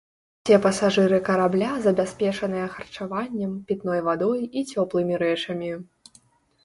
Усе пасажыры карабля забяспечаныя харчаваннем, пітной вадой і цёплымі рэчамі.